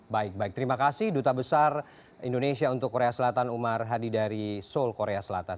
baik baik terima kasih duta besar indonesia untuk korea selatan umar hadi dari seoul korea selatan